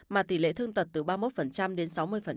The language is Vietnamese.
mà tỷ lệ thương tật từ ba mươi một đến sáu mươi